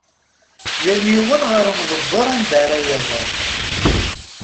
Yal yiwen ɣer umdebber anda ara iɣer.